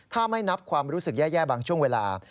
ถ้าไม่นับความรู้สึกแย่บางช่วงเวลา